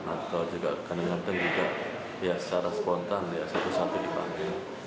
atau juga kandang kandang juga secara spontan satu satu dipanggil